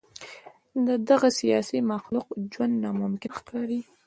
د دغه سیاسي مخلوق ژوند ناممکن ښکاري.